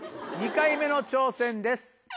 ２回目の挑戦です。